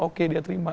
oke dia terima